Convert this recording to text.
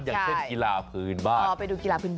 อย่างเช่นกีฬาพื้นบ้าน